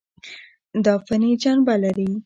دا فني جنبه لري.